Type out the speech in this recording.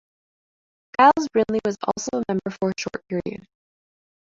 Giles Brindley was also a member for a short period.